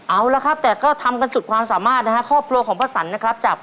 เอาแล้วครับแต่ก็ทำกันสุดความสามารถนะครับ